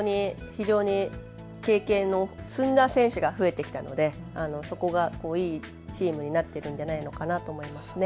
非常に経験を積んだ選手が増えてきたのでそこがいいチームになっているのではないかと思います。